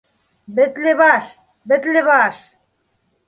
— Бетле баш, бетле баш.